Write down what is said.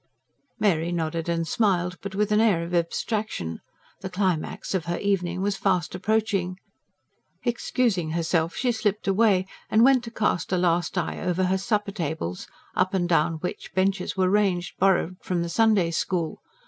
Mary nodded and smiled; but with an air of abstraction. The climax of her evening was fast approaching. Excusing herself, she slipped away and went to cast a last eye over her supper tables, up and down which benches were ranged, borrowed from the Sunday School.